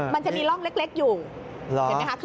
มันจะมีร่องเล็กอยู่